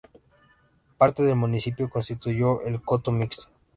Parte del municipio constituyó el Coto Mixto.